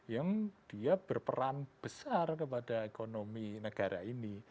yang dia berperan besar kepada ekonomi negara ini